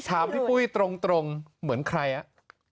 ถามพี่ปุ้ยตรงเหมือนใครอ่ะ